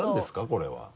これは。